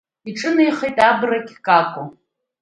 Иҿынеихеит Абрагь-Како.